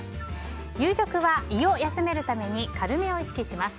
夕食は胃を休めるために軽めを意識します。